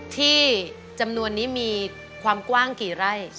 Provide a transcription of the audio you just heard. ที่จำนวนนี้มีความกว้างกี่ไร่